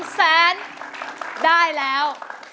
แสนได้แล้ว